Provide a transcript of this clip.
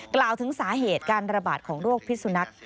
กล่าวถึงสาเหตุการระบาดของโรคพิสุนัก